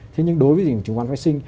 thế nhưng đối với chứng khoán phát sinh